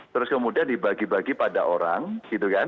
terus kemudian dibagi bagi pada orang gitu kan